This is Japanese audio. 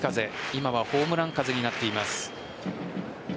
今はホームラン風になっています。